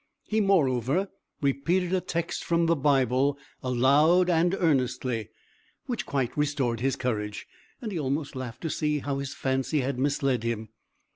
He moreover repeated a text from the Bible aloud and earnestly, which quite restored his courage, and he almost laughed to see how his fancy had misled him.